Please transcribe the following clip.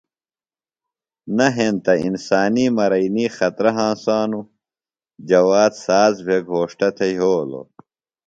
نہ ہینتہ انسانی مرئینی خطرہ ہنسانوۡ۔ جواد ساز بھےۡ گھوݜٹہ تھےۡ یھولوۡ۔